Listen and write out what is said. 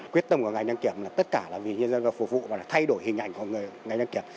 quyết tâm của ngành đăng kiểm là tất cả là vì nhân dân phục vụ và thay đổi hình ảnh của ngành đăng kiểm